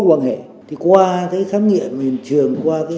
nhưng kết quả vẫn chưa có gì khả quan